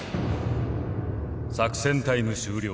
作戦タイム終了です。